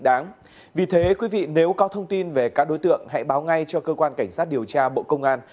đáng vì thế quý vị nếu có thông tin về các đối tượng hãy báo ngay cho cơ quan cảnh sát điều tra bộ công an